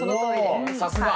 おさすが。